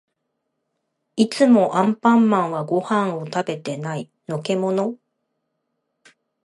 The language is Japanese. いつもアンパンマンはご飯を食べてない。のけもの？